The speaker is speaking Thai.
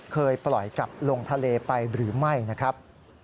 เคยปล่อยกลับลงทะเลไปหรือไม่นะครับ